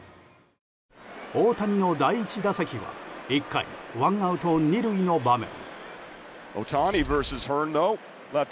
大谷の第１打席は１回ワンアウト、２塁の場面。